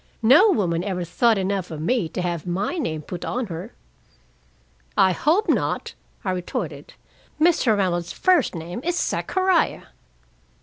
No woman ever thought enough of me to have my name put on her." "I hope not," I retorted. Mr. Reynold's first name is Zachariah.